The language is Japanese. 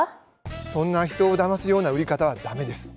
そんな人をだますような売り方は駄目です。